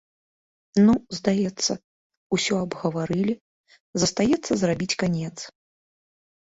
Ну, здаецца, усё абгаварылі, застаецца зрабіць канец.